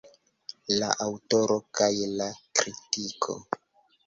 La aŭtoro kaj la kritiko.